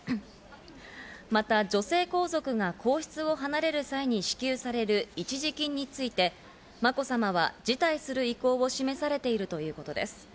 また女性皇族が皇室を離れる際に支給される一時金について、まこさまは辞退する意向を示されているということです。